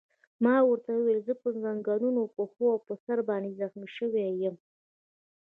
ما ورته وویل: زه په زنګون، پښو او پر سر باندې زخمي شوی یم.